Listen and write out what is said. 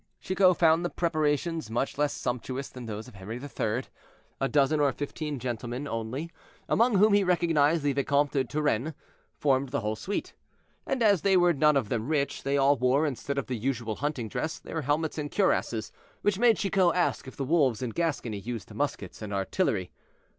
Chicot found the preparations much less sumptuous than those of Henri III. A dozen or fifteen gentlemen only, among whom he recognized the Vicomte de Turenne, formed the whole suite. And as they were none of them rich, they all wore, instead of the usual hunting dress, their helmets and cuirasses, which made Chicot ask if the wolves in Gascony used muskets and artillery.